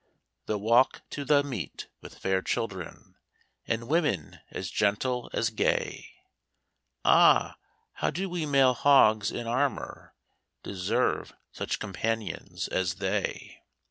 The walk to 'the Meet' with fair children, And women as gentle as gay, Ah! how do we male hogs in armour Deserve such companions as they?